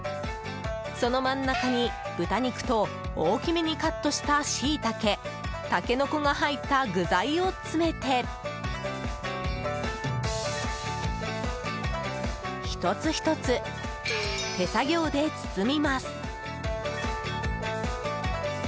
その真ん中に豚肉と大きめにカットしたシイタケタケノコが入った具材を詰めて１つ１つ手作業で包みます。